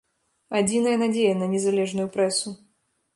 Адзіная надзея на незалежную прэсу.